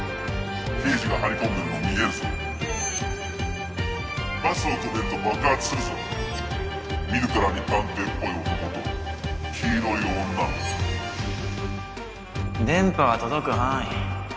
刑事が張り込んでるの見えるぞバスを止めると爆発するぞ見るからに探偵っぽい男と黄色い女電波が届く範囲？